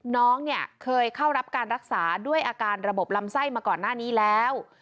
น้องเนี่ยเคยเข้ารับการรักษาด้วยอาการระบบลำไส้มาก่อนหน้านี้แล้ว